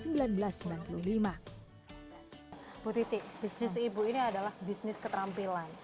bu titi bisnis ibu ini adalah bisnis keterampilan